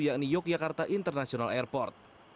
yakni yogyakarta international airport